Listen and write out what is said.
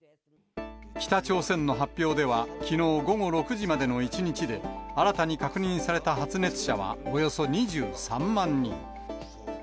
北朝鮮の発表では、きのう午後６時までの１日で、新たに確認された発熱者はおよそ２３万人。